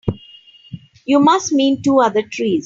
You must mean two other trees.